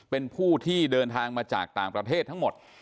เป็นผู้ที่เดินทางมาจากต่างประเทศทั้งหมด